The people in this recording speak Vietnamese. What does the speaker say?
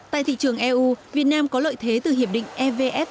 tại thị trường eu việt nam có lợi thế từ hiệp định evf